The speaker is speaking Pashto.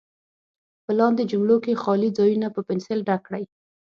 په لاندې جملو کې خالي ځایونه په پنسل ډک کړئ.